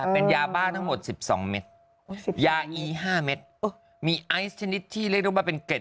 เป็นยาบ้าทั้งหมด๑๒เม็ดยาอี๕เม็ดมีไอซ์ชนิดที่เรียกได้ว่าเป็นเกร็ด